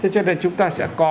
cho nên chúng ta sẽ có